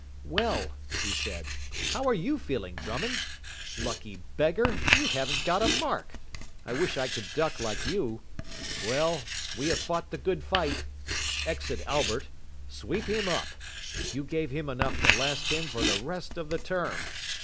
"Well," he said, "how are you feeling, Drummond? Lucky beggar, you haven't got a mark. I wish I could duck like you. Well, we have fought the good fight. Exit Albert sweep him up. You gave him enough to last him for the rest of the term.